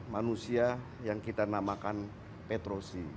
manusia yang kita namakan petro si